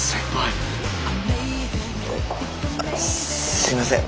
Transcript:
すみません。